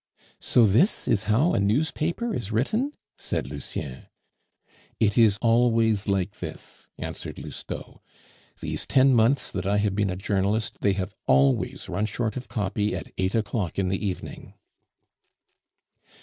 "So this is how a newspaper is written?" said Lucien. "It is always like this," answered Lousteau. "These ten months that I have been a journalist, they have always run short of copy at eight o'clock in the evening."